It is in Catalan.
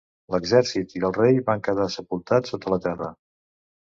L'exèrcit i el rei van quedar sepultats sota la terra.